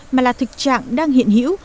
mà là thực trạng đang hiện hữu